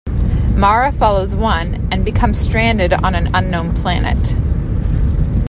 Mara follows one, and becomes stranded on an unknown planet.